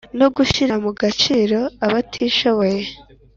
no gushyira mu byiciro abatishoboye